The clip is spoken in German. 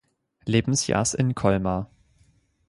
Lebensjahrs in Colmar.